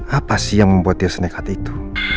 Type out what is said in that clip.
apa sih yang membuat dia senekat itu